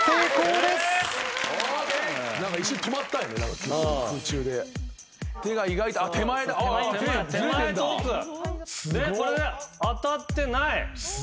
これで当たってない。